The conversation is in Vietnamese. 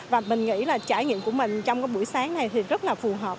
và mình nghĩ là trải nghiệm của mình trong cái buổi sáng này thì rất là phù hợp